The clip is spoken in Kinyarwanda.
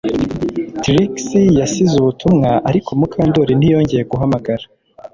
Trix yasize ubutumwa ariko Mukandoli ntiyongeye guhamagara